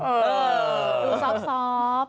สอบ